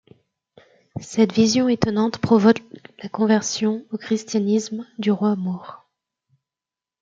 Cette vision étonnante provoque la conversion au christianisme du roi maure.